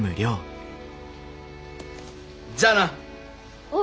じゃあな。